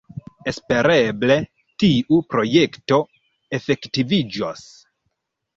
Espereble, tiu projekto efektiviĝos.